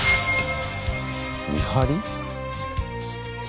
見張り？